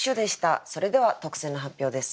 それでは特選の発表です。